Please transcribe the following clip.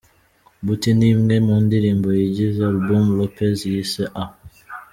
Booty’ ni imwe mu ndirimbo zigize album Lopez yise A.